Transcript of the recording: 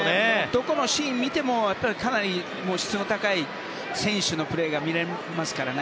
どこのシーンを見てもかなり質の高い選手のプレーが見られますからね。